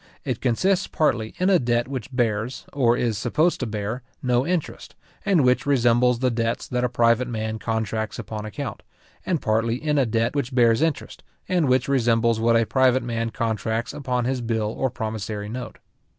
It consists partly in a debt which bears, or is supposed to bear, no interest, and which resembles the debts that a private man contracts upon account; and partly in a debt which bears interest, and which resembles what a private man contracts upon his bill or promissory note.